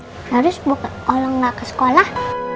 harus buat orang gak ke sekolah